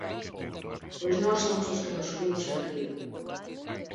Pois nós somos os que nos subimos enriba.